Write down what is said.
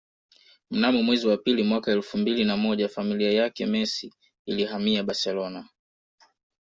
Mnamo mwezi wa pili mwaka elfu mbili na moja familia yake Messi ilihamia Barcelona